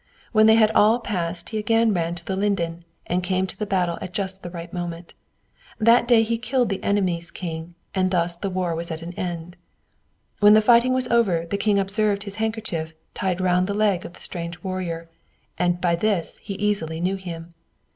When they had all passed, he again ran to the linden, and came to the battle just at the right moment. That day he killed the enemy's king, and thus the war was at an end. When the fighting was over, the king observed his handkerchief tied round the leg of the strange warrior, and by this he easily knew him.